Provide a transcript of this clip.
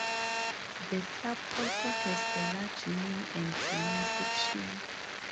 The club also has a large mini and junior section.